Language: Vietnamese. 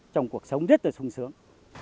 trong cuộc sống rất là sung sướng